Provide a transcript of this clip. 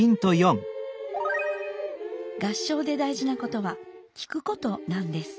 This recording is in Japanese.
合唱で大事なことは聴くことなんです。